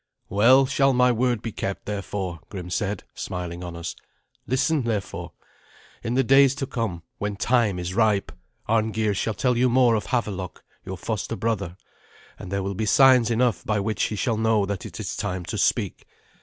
"Well shall my word be kept, therefore," Grim said, smiling on us. "Listen, therefore. In the days to come, when time is ripe, Arngeir shall tell you more of Havelok your foster brother, and there will be signs enough by which he shall know that it is time to speak.